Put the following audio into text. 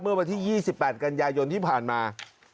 เมื่อวันที่๒๘กันยายนที่ผ่านมา